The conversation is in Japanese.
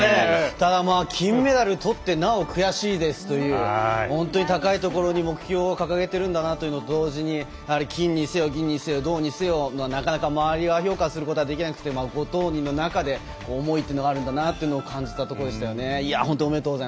ただ金メダルを取ってなお悔しいですという本当に高いところに目標を掲げているんだなという金にせよ銀にせよ銅にせよなかなか周りが評価することはできなくてご当人の中で思いというのがあるのかなというものを感じたところでしたね。